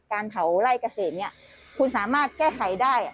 การเผาไล่เกษตรเนี่ยคุณสามารถแก้ไขได้